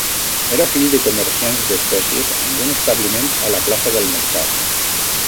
Era fill de comerciants d'espècies amb un establiment a la plaça del Mercat.